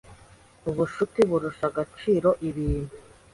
Ubucuti burusha agaciro ibintu